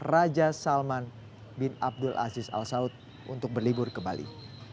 raja salman bin abdul aziz al saud untuk berlibur ke bali